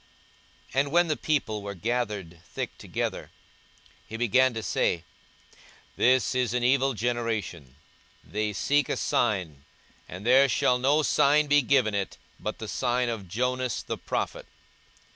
42:011:029 And when the people were gathered thick together, he began to say, This is an evil generation: they seek a sign; and there shall no sign be given it, but the sign of Jonas the prophet.